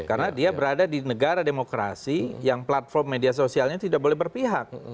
karena dia berada di negara demokrasi yang platform media sosialnya tidak boleh berpihak